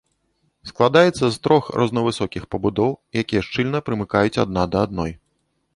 Складаецца з трох рознавысокіх пабудоў, якія шчыльна прымыкаюць адна да адной.